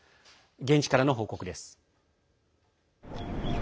現地からの報告です。